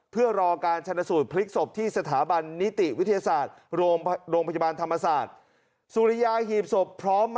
เพื่อรอการชันสูญพลิกศพที่สถาบันนิติวิทยาศาสตร์